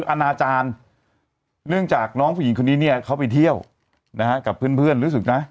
อนาจารย์เนื่องจากน้องผู้หญิงคนนี้เนี่ยเขาไปเที่ยวนะฮะกับเพื่อนรู้สึกนะ